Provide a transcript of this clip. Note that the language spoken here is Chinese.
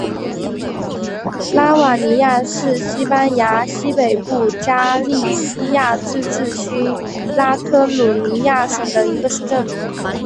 拉瓦尼亚是西班牙西北部加利西亚自治区拉科鲁尼亚省的一个市镇。